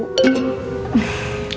gak tau bu